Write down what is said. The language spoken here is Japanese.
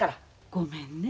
ごめんね。